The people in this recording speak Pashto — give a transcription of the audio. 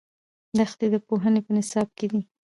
دښتې د پوهنې په نصاب کې دي.